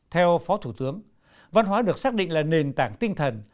theo phó thủ tướng văn hóa được xác định là nền tảng tinh thần